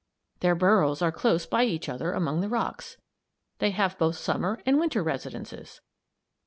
Their burrows are close by each other among the rocks. They have both Summer and Winter residences.